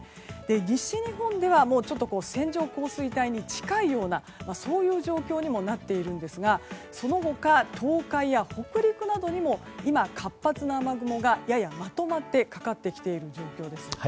西日本では線状降水帯に近いようなそういう状況にもなっているんですがその他、東海や北陸などにも今、活発な雨雲がややまとまってかかってきている状況です。